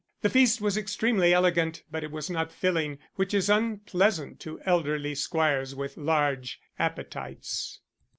The feast was extremely elegant, but it was not filling, which is unpleasant to elderly squires with large appetites.